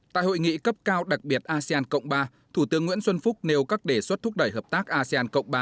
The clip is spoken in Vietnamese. tại hội nghị cấp cao đặc biệt asean cộng ba thủ tướng nguyễn xuân phúc nêu các đề xuất thúc đẩy hợp tác asean cộng ba